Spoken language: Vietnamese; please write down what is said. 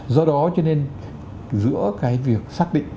do đó cho nên giữa cái việc xác định